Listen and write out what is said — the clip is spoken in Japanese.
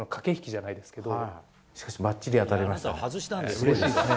しかしばっちり当たりましたね。